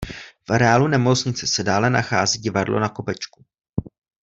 V areálu nemocnice se dále nachází Divadlo Na Kopečku.